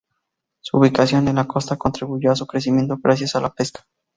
Su ubicación en la costa contribuyó a su crecimiento gracias a la pesca.